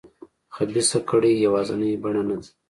خبیثه کړۍ یوازینۍ بڼه نه ده.